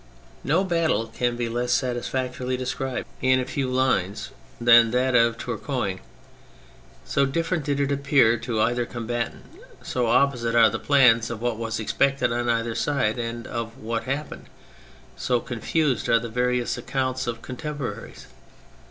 No battle can be less satisfactorily described THE MILITARY ASPECT 205 in a few lines than that of Tourcoing, so different did it appear to either combatant, so opposite are the plans of what was ex pected on either side, and of what happened, so confused are the various accounts of contemporaries.